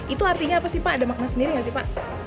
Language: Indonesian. itu artinya apa sih pak ada makna sendiri nggak sih pak